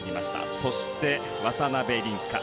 そして、渡辺倫果